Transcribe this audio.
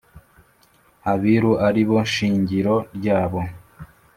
Abiru aribo shingiro ryayo